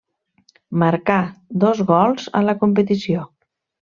Marcà dos gols a la competició.